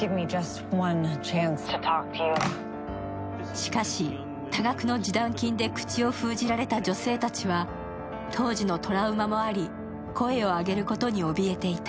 しかし、多額の示談金で口を封じられた女性たちは当時のトラウマもあり声を上げることにおびえていた。